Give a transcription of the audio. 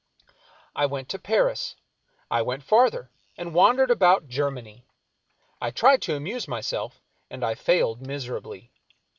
I went to Paris. I went farther, and wandered about Germany. I tried to amuse myself, and I failed miserably.